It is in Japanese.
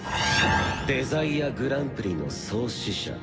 デザイアグランプリの創始者。